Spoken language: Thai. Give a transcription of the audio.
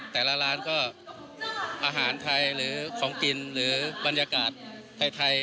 แต่ละร้านก็อาหารไทยหรือของกินหรือบรรยากาศไทย